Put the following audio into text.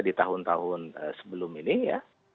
di tahun tahun sebelum ini ya